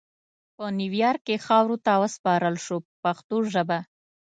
په نیویارک کې خاورو ته وسپارل شو په پښتو ژبه.